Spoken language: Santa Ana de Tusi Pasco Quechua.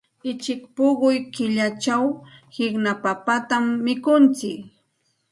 Uchik puquy killachaq qiqna papatam mikuntsik.